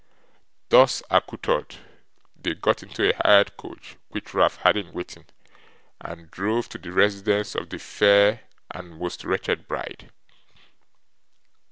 Thus accoutred, they got into a hired coach which Ralph had in waiting, and drove to the residence of the fair and most wretched bride.